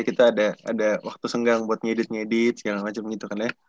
kita ada waktu senggang buat ngedit ngedit segala macam gitu kan ya